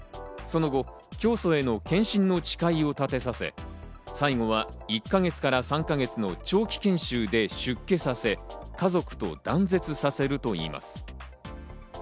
その後、教祖への献身の誓いを立てさせ、最後は１か月から３か月の長期研修で出家させ、家族と断絶させるといいます。